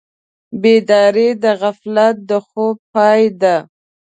بیداري د غفلت د خوب پای ده.